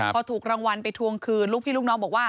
พอถูกรางวัลไปทวงคืนลูกพี่ลูกน้องบอกว่า